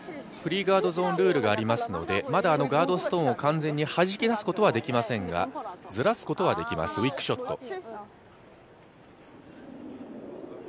フリーガードゾーンルールがありますので、まだガードストーンを完全にはじきだすことはできませんがずらすことはできます、ウィックショット。